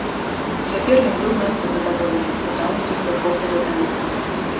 Цяпер ён быў надта задаволены ўдаласцю свайго апавядання.